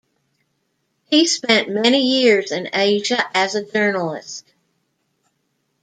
He spent many years in Asia as a journalist.